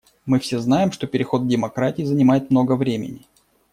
Мы все знаем, что переход к демократии занимает много времени.